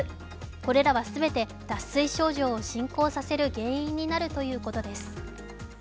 これらは全て脱水症状を進行させる原因になるということです。